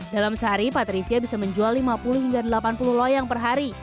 dalam sehari patricia bisa menjual lima puluh hingga delapan puluh loyang per hari